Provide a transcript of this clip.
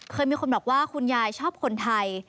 เคยมีคนบอกว่าคุณยายชอบคนไทย